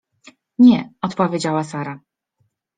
— Nie — odpowiedziała Sara.